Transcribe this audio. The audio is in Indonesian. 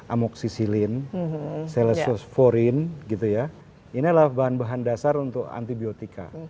amoxicillin silesosforin ini adalah bahan bahan dasar untuk antibiotika